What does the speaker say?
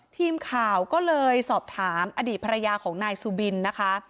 ทีมข่าวก็เลยสอบถามอดีตภรรยาของนายสุบินนะคะ